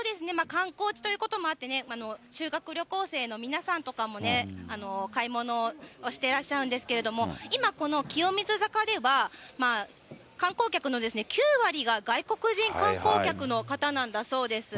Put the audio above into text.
観光地ということもあってね、修学旅行生の皆さんとかもね、買い物をしてらっしゃるんですけれども、今この清水坂では、観光客の９割が外国人観光客の方なんだそうです。